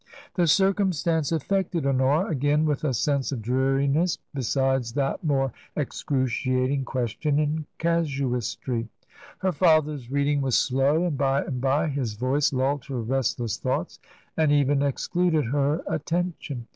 The circumstance affected Honora again with a sense of dreariness, besides that more excruciating question in casuistry. Her father's reading was slow, and by and bye his voice lulled her restless thoughts and even excluded her attention.